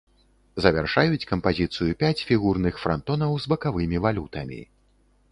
Завяршаюць кампазіцыю пяць фігурных франтонаў з бакавымі валютамі.